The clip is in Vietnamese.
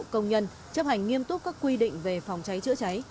công nhân chấp hành nghiêm túc các quy định về phòng cháy chữa cháy